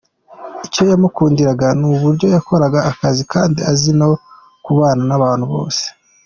Icyo yamukundiraga ni uburyo yakoraga akazi kandi azi no kubana n’abantu bose.